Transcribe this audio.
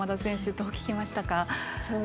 どう聞きましたか。